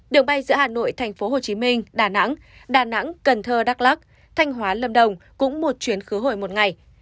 đường bay giữa hà nội thành phố hồ chí minh đà nẵng đà nẵng cần thơ đắk lắc thanh hóa lâm đồng cũng một chuyến khứ hồi một ngày